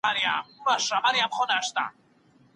مشوره باید وسي.